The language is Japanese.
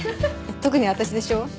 特に私でしょ？